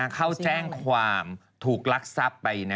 เขาแจ้งความถูกรักษัพไป